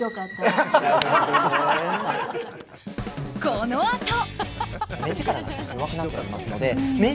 このあと。